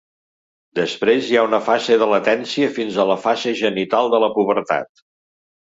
Després hi ha una fase de latència fins a la fase genital de la pubertat.